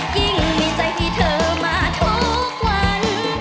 ยิ่งมีใจให้เธอมาทุกวัน